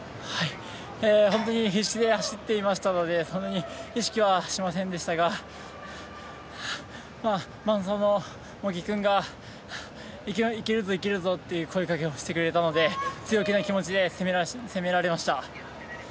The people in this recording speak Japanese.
本当に必死で走っていますのでそんなに意識はしませんでしたが茂木君がいけるぞ、いけるぞと声かけをしてくれたので強気の気持ちで攻められました。